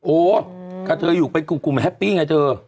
โอ้กระเทยอยู่เป็นกลุ่มแฮปปี้ไงเธอ